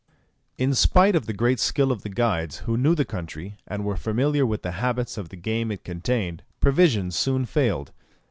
In spite of the great skill of the guides, who knew the country, and were familiar with the habits of the game it contained, provisions soon failed.